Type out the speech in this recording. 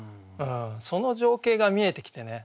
その情景が見えてきてね